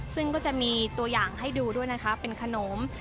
ซึ่งก็จะมีตัวอย่างให้ดูด้วยนะคะเป็นขนม